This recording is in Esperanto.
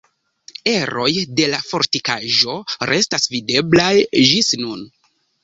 Eroj de la fortikaĵo restas videblaj ĝis nun.